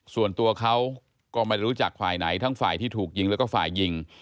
ส่วนตัวเขาก็ไม่ได้รู้จักฝ่ายไหนทั้งฝ่ายที่ถูกยิงแล้วก็ฝ่ายยิง